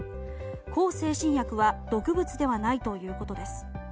向精神薬は毒物ではないということです。